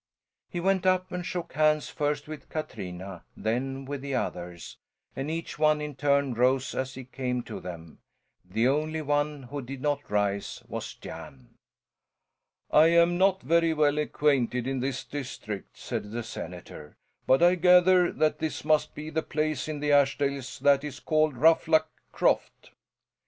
He went up and shook hands, first with Katrina, then with the others, and each one in turn rose as he came to them; the only one who did not rise was Jan. "I am not very well acquainted in this district," said the senator, "but I gather that this must be the place in the Ashdales that is called Ruffluck Croft."